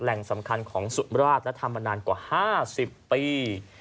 สำคัญของสุมราชและทำมานานกว่า๕๐ปี